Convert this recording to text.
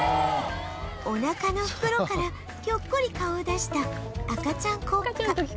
おなかの袋からひょっこり顔を出した赤ちゃんクオッカ